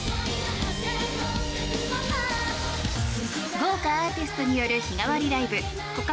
豪華アーティストによる日替わりライブコカ